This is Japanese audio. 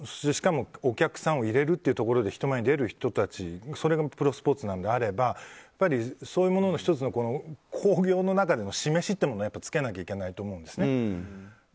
しかもお客さんを入れるっていうところで人前に出る人たちそれがプロスポーツなのであればやっぱりそういう１つの示しというものをやっぱりつけなきゃいけないと思うんですね。